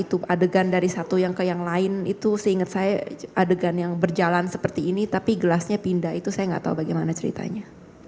itu adegan dari satu yang ke yang lain itu seingat saya adegan yang berjalan seperti ini tapi gelasnya pindah itu saya nggak tahu bagaimana ceritanya